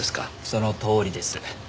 そのとおりです。